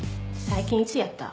最近いつやった？